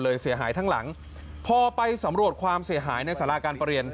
เสียหายทั้งหลังพอไปสำรวจความเสียหายในสาราการประเรียน